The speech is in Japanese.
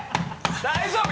大丈夫！